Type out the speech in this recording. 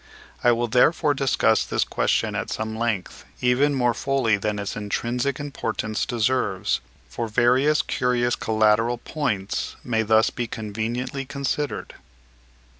I will therefore discuss this question at some length, even more fully than its intrinsic importance deserves; for various curious collateral points may thus be conveniently considered.